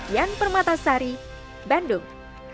yan permata sari bandung